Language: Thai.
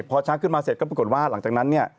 พอช้างขึ้นมาเสร็จก็ปรากฏว่าหลังจากนั้นเนี่ย